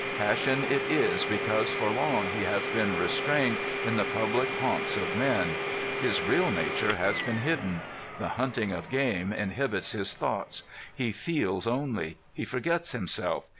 Passion it is because for long he has been restrained in the public haunts of men. His real nature has been hidden. The hunting of game inhibits his thoughts. He feels only. He forgets himself.